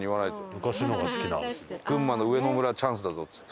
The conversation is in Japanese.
「群馬の上野村はチャンスだぞ」っつって。